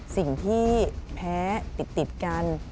สิ่งที่แพ้ติดกัน